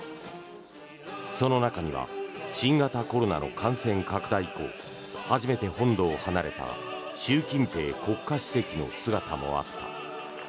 その中には新型コロナの感染拡大以降初めて本土を離れた習近平国家主席の姿もあった。